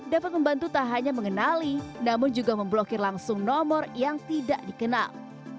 dapat membantu tak hanya mengenali namun juga memblokir langsung nomor yang tidak dikenal